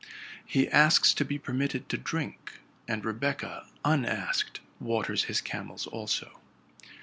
He asks to be permitted to drink; and Rebecca, unasked, waters his camels also.